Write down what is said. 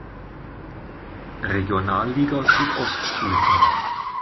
Regionalliga Südost spielten.